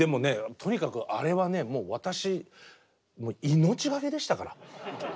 とにかくあれはね私命がけでしたから。